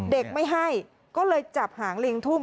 เด็กไม่ให้ก็เลยจับหางลิงทุ่ม